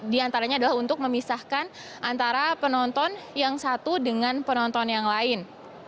di antaranya adalah untuk memisahkan antara penonton yang satu dengan penonton yang lain